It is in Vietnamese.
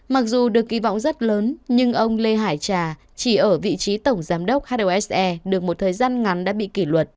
mặc dù được kỳ vọng rất lớn nhưng ông lê hải trà chỉ ở vị trí tổng giám đốc hose được một thời gian ngắn đã bị kỷ luật